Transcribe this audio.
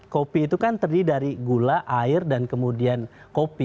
kopi itu kan terdiri dari gula air dan kemudian kopi